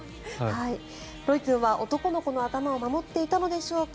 ロイ君は男の子の頭を守っていたのでしょうか。